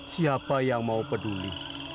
siapa yang mau peduli